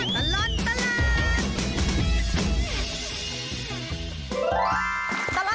ชั่วตะลันตะลาด